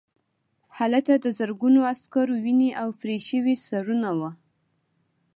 هلته د زرګونو عسکرو وینې او پرې شوي سرونه وو